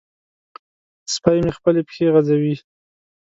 سپی مې خپلې پښې غځوي.